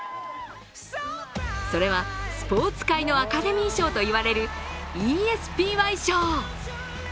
それはスポーツ界のカデミー賞といわれるＥＳＰＹ賞。